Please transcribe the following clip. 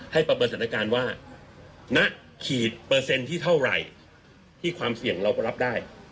ประเมินสถานการณ์ว่าณขีดเปอร์เซ็นต์ที่เท่าไหร่ที่ความเสี่ยงเราก็รับได้